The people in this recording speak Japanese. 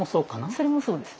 それもそうです。